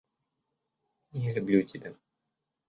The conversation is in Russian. Я люблю тебя.